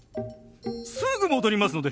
すぐ戻りますので。